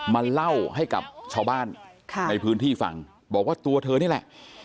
มาเล่าให้กับชาวบ้านในพื้นที่ฟังบอกว่าตัวเธอนี่แหละ